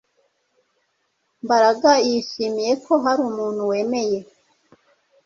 Mbaraga yishimiye ko hari umuntu wemeye